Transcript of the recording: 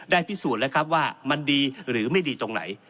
ได้พิสูจน์ว่ามันดีหรือไม่ดีตรงไหน